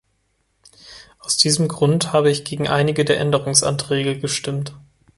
Aus diesem Grunde habe ich gegen einige der Änderungsanträge gestimmt.